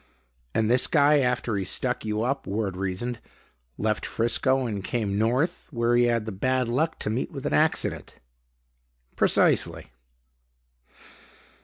"And this guy, after he stuck you up," Ward reasoned, "left Frisco and come North where he had the bad luck to meet with an accident." "Precisely."